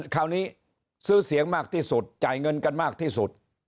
คราวนี้ซื้อเสียงมากที่สุดจ่ายเงินกันมากที่สุด